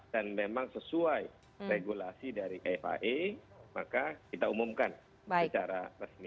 dan memang sesuai regulasi dari fae maka kita umumkan secara resmi